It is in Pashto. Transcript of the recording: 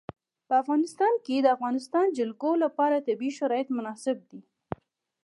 په افغانستان کې د د افغانستان جلکو لپاره طبیعي شرایط مناسب دي.